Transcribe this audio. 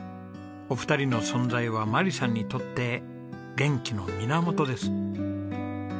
お二人の存在は眞理さんにとって元気の源です。